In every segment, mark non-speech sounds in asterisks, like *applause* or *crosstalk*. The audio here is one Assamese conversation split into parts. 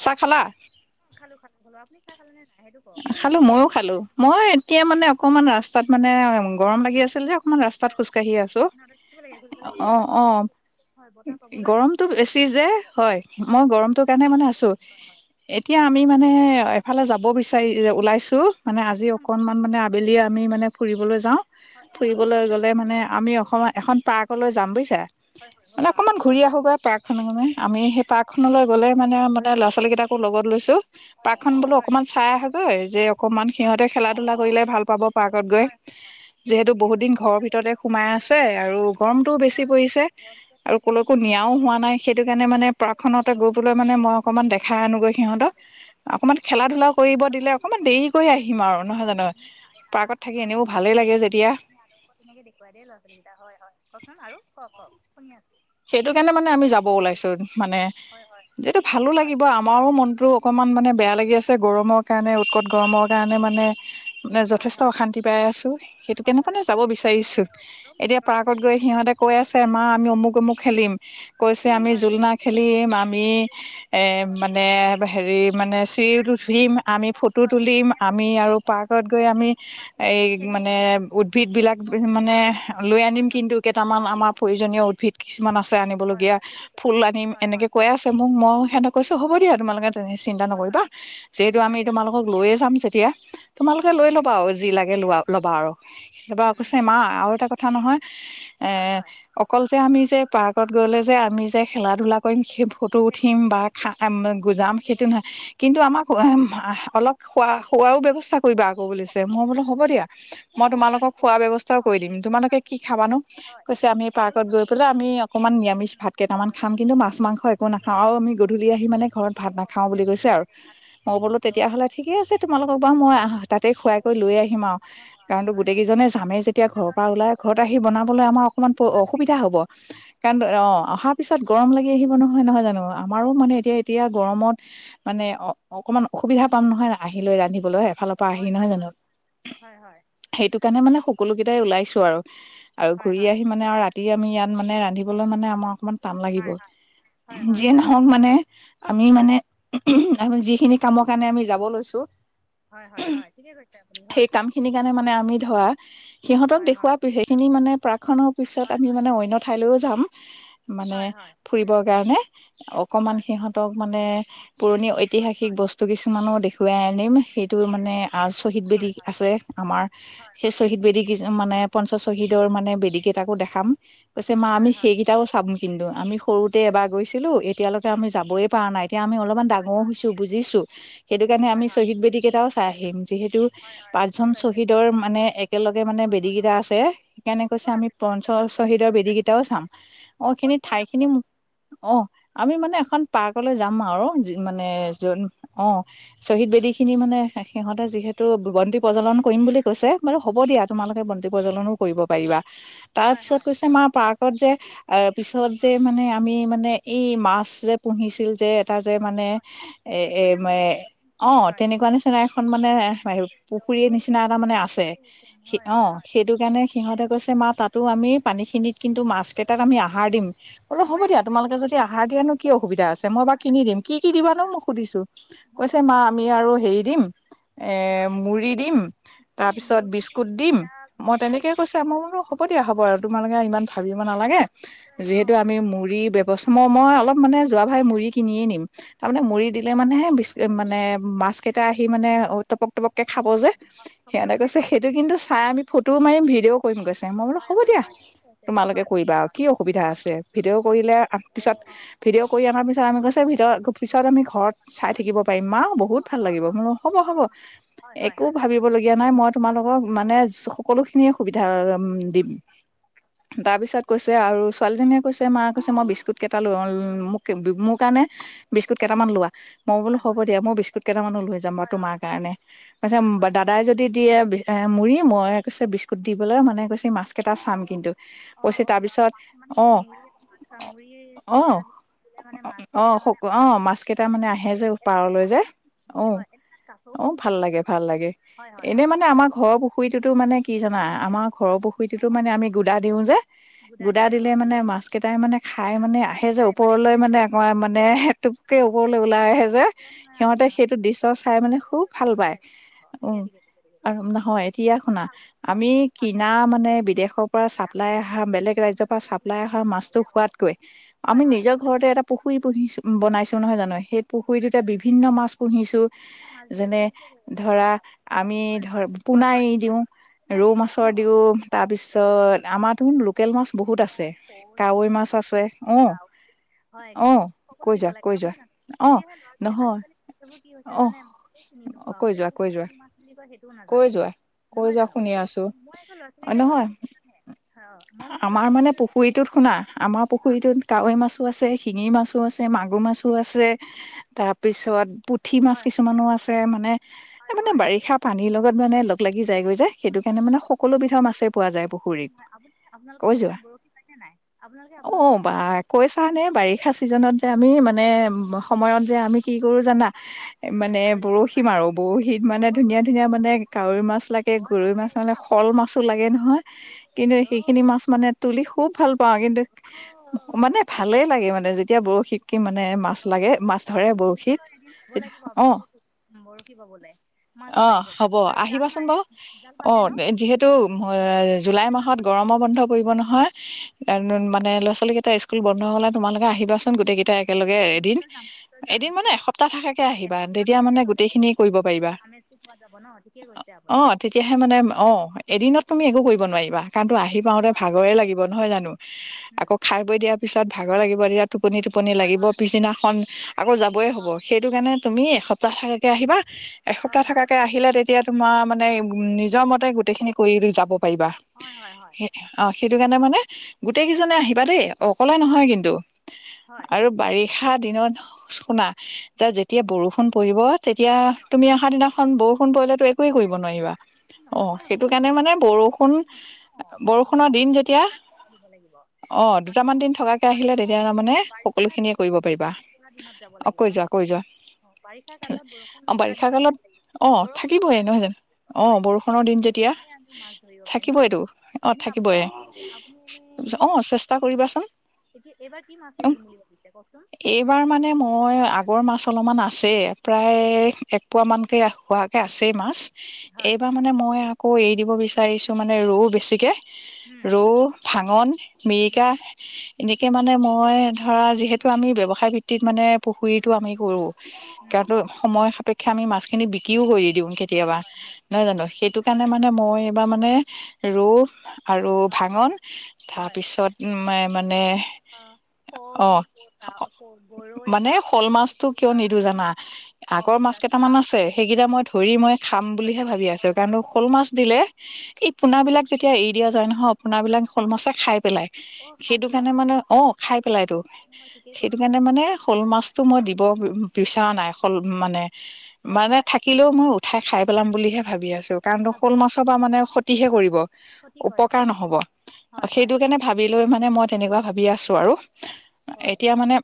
চা খালা? খালো খালো। অ আপুনি চাহ খালে নে নাই? খালো মইও খালো মই এতিয়া মানে অকমান ৰাস্তাত মানে গৰম লাগি আছিল যে অকমান ৰাস্তাত খোজকাঢ়িয়ি আছো অ অ গৰমটো বেছি যে হয় মই গৰমটোৰ কাৰণে মানে আছো এতিয়া আমি মানে এফালে যাব বি চাৰি ওলাইছো মানে আজি অকনমান মানে আবেলি আমি মানে ফুৰিবলৈ যাওঁ। ফুৰিবলৈ গ'লে মানে আমি অসমৰ এখন পাৰ্কলৈ যাম বুজিছে মানে অকনমান ঘুৰি আহোগৈ পাৰ্ক খনত মানে আমি সেই পাৰ্কখননলৈ গ'লে মানে মানে ল'ৰা ছোৱালী কেইটাকো লগত লৈছো পাৰ্কখন বোলো অকনমান চাই আহোগৈ যে অকণমান সিহঁতে খেলা ধূলা কৰিলে ভাল পাব পাৰ্কত গৈ, যিহেতু বহুত দিন ঘৰৰ ভিতৰতে সোমাই আছে আৰু গৰমতটোও বেছি পৰিছে আৰু ক'লৈকো নিয়াও হোৱা নাই সেইটো কাৰণে মানে পাৰ্কখনতে গৈ পেলাই মানে মই অকণমান দেখাই আনোগৈ সিহঁতক, অকণমান খেলা ধূলা ব দিলে অকণমান দেৰি ধুনীয়া *unintelligible* মানে আপুনি আদৰ্শ তেনেকে দেখুৱাই দেই ল'ৰা-ছোৱালীকেইটা। হয়, হয়, হয়। কওঁকচোন আৰু কওঁক। ক'ক, শুনি আছোঁ। সেইটো কাৰণে মানে আমি যাব ওলাইছো। মানে যিটো ভালো লাগিব, আমাৰো মনতটো অকনমান মানে বেয়া লাগি আছে। গৰমৰ কাৰণে, উৎকট গৰমৰ কাৰণে মানে মানে যথেষ্ট অশান্তি পাই আছো। সেইটো কেনু-কাৰণেইটো যাব বিচাৰিছো। এতিয়া পাৰ্কত গৈ সিহঁতে কৈ আছে মা আমি অমুক-অমুক কৈছে আমি জোলনা খেলিম, আমি এ মানে হেৰি মানে চিৰিত উঠিম, আমি ফটো তুলিম, আমি আৰু পাৰ্কত গৈ আমি এই মানে উদ্ভিদবিলাক মানে অ', লৈ আনিম কিন্তু কেইটামান আমাৰ প্ৰয়োজনীয় উদ্ভিদ কিছুমান আছে আনিব লগগীয়া। ফুল আনিম এনেকে কৈ আছে মোক মই সিহঁতক কৈছো হ'ব দিয়া তোমালোকে চিন্তা নকৰিবা যিহেতু আমি তোমালোকক লৈয়ে যাম যেতিয়া তোমালোকে লৈ ল'বা আৰু যি লাগে লৈ ল'বা আৰু। এইবাৰ কৈছে মা আৰু এটা কথা নহয় এ অকল, আমি যে পাৰ্কত গ'লে যে আমি যে খেলা ধূলা কৰিম সেইবোৰ, ফটো উঠিম বা খাম জাম সেইটো নহয় কিন্তু আমাক অলপ খোৱা হুৱাও ব্যৱস্থা, কৰিবা আকৌ বুলিছে মই বোলো হ'ব দিয়া মই তোমালোকক খোৱা ব্যয়ৱস্থাও কৰি দিম তোমালোকে কি খাবানো কৈছে আমি পাৰ্ক তাত গৈ পেলাই আমি অকনমান নিৰামিষ ভাত কেইটামান খাম, কিন্তু মাছ মাংস একো নাখাও। আৰু আমি গধূলি আহি মানে ঘৰত ভাত নাখাও বুলি কৈছে আৰু। মই বোলো তেতিয়াহলে ঠিকে আছে তোমালোকক বাৰু ম অ তাতে খুৱাই কৰি লৈ আহিম আৰু কাৰণটো গোটেই কেইজনে জামে যেতিয়া ঘৰৰ পৰা ওলাই ঘৰত আহি বনাবলৈ আমাৰ অকনমান অসুবিধা হ'ব কাৰণ অ অহাৰ পিছত গৰম লাগি আহিব নহয় নহয় জানো আমাৰো মানে এতিয়া, এতিয়া গৰমত মানে অ অকমান অসুবিধা পাম নহয় আহি লৈ ৰান্ধিবলৈ। ফালৰ পৰা আহি নহয় জানো সেইটো কাৰণে মানে সকলো কেইটাই ওলাইছো আৰু আৰু ঘূৰি আহি মানে আৰু ৰা এই আমি ইয়াত মানে ৰান্ধিবলৈ মানে আমাৰ অকণমান টান লাগিব যিয়ে নহওক মানে, আমি মানে আমি যিখিনি কামৰ কাৰণে আমি যাব লৈছো সেই কাম খিনি কাৰণে মানে আমি ধৰা সিহঁতক দেখুওৱা পি সেইখিনি মানে প্ৰাক্ খনৰ পিছত আমি মানে অন্য ঠাইলৈও যাম। মানে ফুৰিবৰ কাৰণে অকমান সিহঁতক মানে হয়। পুৰণি ঐতিহাসিক বস্তু কিছুমানো দেখ ঘূৱাই আনিম সেইটো মানে শ্বহীদ বেদী আছে আমাৰ সেই শ্বহীদ বেদী কি মানে পঞ্চ শ্বহীদৰ মানে বেদীকেইটাকো দেখা খাম। কৈছে মা আমি সেইকেইটাও চাম। কিন্তু আমি সৰুতে এবাৰ গৈছিলোঁ এতিয়ালৈকে আমি যাবই পাৰা নাই। তেতিয়া আমি অলপমান ডাঙৰ হৈছো বুজিছো সেইটো কাৰণে আমি শ্বহীদ বেদী কেইটাও চাই আহিম। যিহেতু পাঁচজন শ্বহীদৰ মানে একেলগে মানে বেদী কেইটা আছে সেইকাৰণে কৈছে আমি পঞ্চ- শ্বহীদৰ বেদি কেইটাও চাম অ' খিনি ঠাই খিনি, অ' আমি মানে এখন পাৰ্কলৈ যাম আ আৰু মানে যত অ শ্বহীদ বেদী খিনি মানে সিহঁতে যিহেতু বন্তি প্ৰজলন কৰিম বুলি কৈছে বাৰু হ'ব দিয়া তোমালোকে বন্তি প্ৰজলনো কৰিব পাৰিবা তাৰ পিছত কৈছে মা পাৰ্ক অত যে আৰু পিছত যে মানে আমি মানে নে এই মাছ যে পুহিছিল যে এটা যে মানে এ এ অ তেনেকুৱা নিচিনা এখন মানে পুখুৰীৰ নিচিনা এটা মানে আছে অ সেইটো কাৰণে সিহঁতে কৈছে মা তাত তো আমি পানীখিনিত কিন্তু মাছকেইটাত আমি আহাৰ দিম অলপ হ'ব দিয়া তোমালোকে যদি আহাৰ দিয়া ন কি অসুবিধা আছে মই বা কিনি দিম কি কি দিবা ন মোক সুধিছো কৈছে মা আমি আৰু হেৰি দিম এ মুড়ি দিম তাৰপিছত বিস্কুট দিম মই তেনেকে কৈছে মই বুলো হ'ব দিয়া হ'ব আৰু তোমালোকে ইমান ভাবিব নালাগে যিহেতু আমি মুঢ়িৰ বৱস্থা ম মই অলপ মানে যোৱা ভাই মুড়ি কিনিয়ে নিম তাৰমানে মুড়ি দিলে মানেহে বি মানে মাছ কেইটা আহি মানে টপক টপককে খাব যে সিহঁতে কৈছে সেইটো কিন্তু চাই আমি ফটোও মাৰিম ভিডিঅও কৰিম কৈছে। মই বুলো হ'ব দিয়া তোমালোকে কৰিবা আৰু কি অসুবিধা আছে ভিডিঅ' কৰিলা পিছত ভিডিঅ দিয়া পিছত আমি ঘৰত চাই থাকিব পাৰিম মা বহুত ভাল লাগিব মই হ'ব হব একো ভাবিব লগীয়া নাই মই তোমালোকক মানে সকলো খিনি সুবিধা উম দিম তাৰ পিছত কৈছে আৰু ছোৱালীজনীয়ে কৈছে মা কৈছে মই বিস্কুট কেইটা লোৱা মোক মোৰ কাৰণে বিস্কুট কেইটামান লোৱা মই বোলো হ'ব দিয়া মই বিস্কুট কেইটামানো ও লৈ যাম বাৰ তোমাৰ কাৰণে কৈছে দাদাই যদি দিয়ে এহ মুৰি মই কৈছে বিস্কুট দিবলৈ মানে কৈছে মাছ কেইটা চাম কিন্তু কৈছে তাৰ পিছত অহ‌ অহ মাছ কেইটা মানে আহে যে পাৰলৈ যে অহ অহ ভাল লাগে ভাল লাগে এনে মানে আমাৰ ঘৰৰ পুখুৰীটোতো মানে কি জানা আমাৰ ঘৰৰ পুখুৰীত কিন্তু মানে আমি গুদা দিও যে গুদা দিলে মানে মাছ কেইটাই মানে খাই মানে আহে যে ওপৰলৈ মানে আহে মানে টোপকে ওপৰলৈ ওলাই আহে যে সিহঁতে সেইটো দৃশ্য চাই মানে খুব ভাল পায়। উম আৰু হয় এতিয়া শুনা আমি কিনা মানে বিদেশৰ পৰা চাপ্লাই আহা বেলেগ ৰাজ্যৰ পৰা চাপলাই অহা মাছটো খোৱাতকৈ আমি নিজৰ ঘৰতে এটা পুখুৰী পুহিছো বনাইছো নহয় জানো সেই পুখুৰীটোতে বিভিন্ন মাছ পুহিছো যেনে ধৰা আমি ধৰা পোনাই দিওঁ ৰৌ মাছ দিওঁ ত- *unintelligible* ল'ৰা- ছোৱালী কেইটা আমাৰ মানে পুখুৰীটোত শুনা আমাৰ পুখুৰীটোত কাৱৈ মাছো আছে শিঙি মাছো আছে মাগুৰ মাছো আছে তাৰপিছত পুঠি মাছ কিছুমানো আছে তে মানে এহ মানে বাৰিষাৰ পানীৰ লগত মানে লগ লাগি যাইগৈ যে সেইটো কাৰণে মানে সকলো বিধৰ মাছে পোৱা যায় পুখুৰীত কৈ যোৱা অহ বা কৈছানে বাৰিষা চিজনত যে আমি মানে সময়ত যে আমি কি কৰো জানা মানে বৰশী মাৰো বৰশীত মানে ধুনীয়া ধুনীয়া মানে কাৱৈ মাছ লাগে গৰৈ মাছ *unintelligible* কল মাছো লাগে নহয় কিন্তু সেইখিনি মাছ মানে তুলি খুব ভাল পাওঁ কিন্তু, মানে ভালে লাগে মানে যেতিয়া ব *unintelligible* শীত কি মানে মাছ লাগে মাছ ধৰে বৰশীত, অ, বৰশী বাবলে। অ', হ'ব আহিবাচোন বাউ অ, যিহেতু এহ জুলাই মাহত গৰমৰ বন্ধ পৰিব নহয় মানে ল'ৰা ছোৱালী কেইটা স্কুল বন্ধ হ'লে তোমালোক আহিবাচোন গোটেই কেইটাই। একেলগে এদিন, এদিন মানে এসপ্তাহ থাকাকে আহিবা তেতিয়া মানে গোটেই খিনিয়ে কৰিব পাৰিবা। অ', তেতিয়াহে মানে অ, এদিনত তুমি একো কৰিব নোৱাৰিবা। কাৰণতো আহি পাওতে ভাগৰে লাগিব নহয় জানো, আকৌ খাই বৈ দিয়া পিছ তাত ভাগৰ লাগিব ইয়াত। টোপনি টোপনি লাগিব পিছদিনাখন আকৌ যাবই হ'ব, সেইটো কাৰণে তুমি এসপ্তাহ থাকাকে আহিবা এক তা থকাকে আহিলে তেত তেতিয়া তোমাৰ মানে উ নিজৰ মতে গোটেইখিনি কৰি ৰুই যাব। পৰিবা হে অহ। সেইটো কাৰণে মানে গোটেই কেইজনে আহিবা দেই। অকলে নহয় কিন্তু আৰু বাৰিষ উঠা দিনত শুনা যে যেতিয়া বৰষুণ পৰিব তেতিয়া তুমি আহ অখন বৌ *unintelligible* অ থাকিব। নহয় জানো অ বৰষুণৰ দিন যেতিয়া থাকিবইটো অ থাকিবই। অ চেষ্টা কৰিবাচোন উ এইবাৰ মানে মই আগৰ মাছ অলপমান আছে প্ৰায় এ এক পোৱা মান কেয়া খোৱাকে আছেই মাছ। এইবাৰ মানে মই কৈ এৰি দিব বিচাৰিছো মানে ৰৌ বেছিকে ৰৌ, ভাঙন, মিৰিকা এনেকে মানে মই ধৰা যিহেতু আমি ব্যৱসায় ভিত্তিত মানে পুখুৰীতটো আমি কৰো। কাৰো সময় সাপেক্ষে আমি মাছ, খিনি বিক্ৰীও কৰি দিওওঁ কেতিয়াবা নহয় জানো সেইটো কাৰণে মানে মই এইবাৰ মানে। সেইবোৰৰ আৰু সেইকেইটা মই ধৰি মই খাম বুলিহে ভাবি আছো কাৰণ শ'ল মাছ দিলে এই পোন বিলাক যে কিয়া এই দিয়া যায় নহয় পোনা বিলাক শল মাছে খাই পেলায় সেইটো কাৰে মানে অ খই সেইটো কাৰনে মানে শল মাছটো মই দিব বিচৰা নাই উ মানে মানে থাকিলেও মই উঠাই খাই পেলাম বুলিহে ভাবি আছো কাৰণ তো শ'ল মাছৰ পৰা মানে ক্ষতিহে কৰিব উপকাৰ নহব সেইটো কাৰণে ভাবি লৈ মানে মই তেনেকুৱা ভাবি আছোঁ আৰু এতিয়া মানে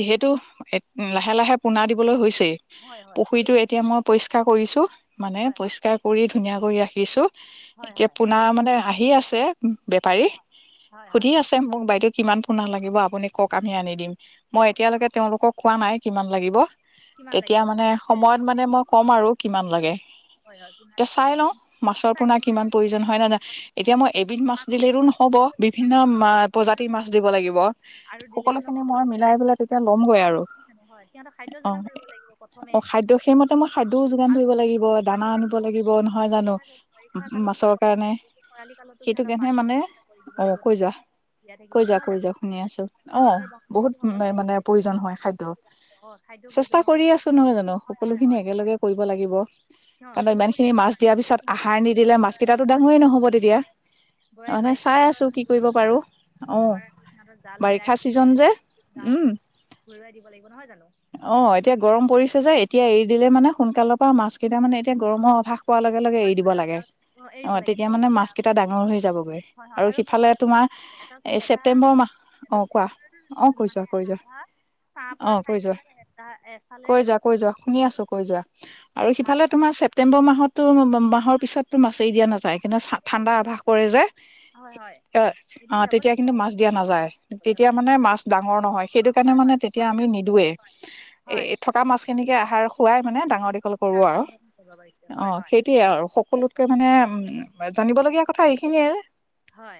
যিহেতু এ লাহে লাহে পোনা দিবলৈ হৈছেই পুখুৰীতটো এতিয়া মই পৰিষ্কাৰ কৰিছো মানে পৰিষ্কাৰ কৰি ধুনীয়া কৰি ৰাখি কিছোঁ এতিয়া পোনা মানে আহি দি আছে। উ বেপাৰী সুধি আছে মোক বাইদেউ কিমান পোণা লাগিব আপুনি কওক আমি আনি দিম মই এতিয়ালৈকে তেওঁলোকক কোৱা নাই কিমান লাগিব তেতিয়া মানে সময়ত মানে মই ক'ম আৰু কিমান লাগে এতিয়া চাই লওঁ মাছৰ পোনা কিমান প্ৰয়োজন হয় ন এতিয়া মই এবিধ মাছ দিলো নহ'ব বিভিন্ন মা প্ৰজাতিৰ মাছ দিব লাগিব সকলোখিনি মই মিলাই পেলাই তেতিয়া ল'মগৈ আৰু অ অ খাদ্য সেইমতে মই খাদ্যও যোগান ধৰিব লাগিব দানা আনিব লাগিব নহয় জানো মাছৰ কাৰণে সেইটো কাৰণহে মানে অ কৈ যা কৈ যা কৈ যা শুনি আছো অ বহুত মানে প্ৰয়োজন হয় খাদ্য চেষ্টা কৰি আছো নহয় জানো সকলোখিনি একেলগে কৰিব লাগিব কাৰণ ইমানখিনি মাছ দিয়াৰ পিছত আহাৰ নিদিলে মাছকেইটাো ডাঙৰেই নহ'ব তেতিয়া ত মানে চাই আছো কি কৰিব পাৰো অ বাৰিষা ছিজন যে উ অ এতিয়া গৰম পৰিছে যে এতিয়া এৰি দিলে মানে সোনকালৰ পৰা মাছ কেইটা মানে এতিয়া গৰমৰ অভাৱ কোৱাৰ লগে লগে এৰি দিব লাগে অ তেতিয়া মানে মাছ কেইটা ডাঙৰ হৈ যাবগৈ আৰু সিফালে তোমাৰ এই ছেপটেম্বৰ মাহ অ কোৱা অ কৈ যোৱা কৈ যোৱা অ কৈ যোৱা কৈ যোৱা কৈ যোৱা শুনি আছো কৈ যোৱা আৰু সিফালে তোমাৰ ছেপ্তেম্বৰ মাহতো মাহৰ পিছততো মাছেই দিয়া নাযায় কিন্তু ঠাণ্ডা আভাস কৰে যে এ তেতিয়া কিন্তু মাছ দিয়া নাযায় তেতিয়া মানে মাছ ডাঙৰ নহয় সেইটো কাৰণে মানে তেতিয়া আমি নিদোৱেই এ থকা মাছখিনিকে আহাৰ খুৱাই মানে ডাঙৰ দীঘল কৰো আৰু অ সেইটোয়ে আৰু সকলোতকে মানে উম জানিবলগীয়া কথা এইখিনিয়ে হয়